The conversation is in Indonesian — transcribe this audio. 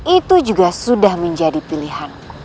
itu juga sudah menjadi pilihan